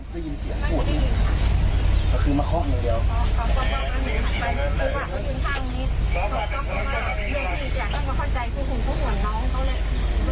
แล้วอย่างที่อยากทิ้งออกไปก็เลยว่าอยู่อย่างไหน